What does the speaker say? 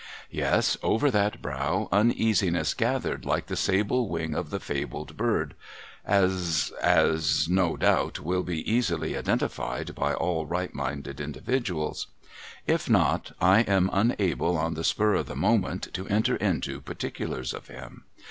Yes, over that brow uneasiness gathered like the sable wing of the fabled bird, as — as no doubt will be easily identified by all right minded individuals. If not, I am unable, on the spur of the moment, to enter into particulars of him.